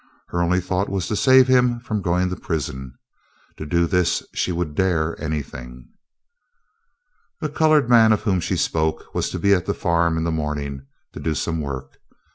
Her only thought was to save him from going to prison. To do this she would dare anything. The colored man of whom she spoke was to be at the farm in the morning to do some work.